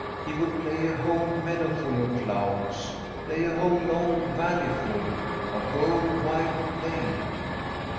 He would play a whole meadowful of flowers, play a whole long valley ful, a whole wide plain.